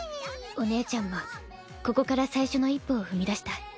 お姉ちゃんもここから最初の一歩を踏み出した。